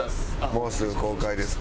もうすぐ公開です。